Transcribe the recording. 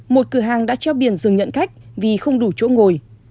một cửa hàng đã treo biển dừng nhận khách vì không đủ chỗ ngồi